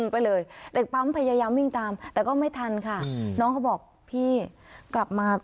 ไปเลยแต่ก็ไม่ทันค่ะน้องเขาบอกพี่กลับมา